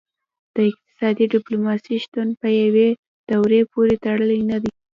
د اقتصادي ډیپلوماسي شتون په یوې دورې پورې تړلی نه دی